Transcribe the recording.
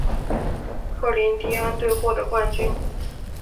科林蒂安队获得冠军。